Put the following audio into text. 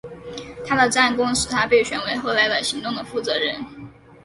他的战功使他被选为后来的行动的负责人。